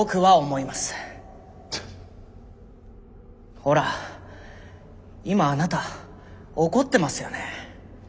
ほら今あなた怒ってますよね。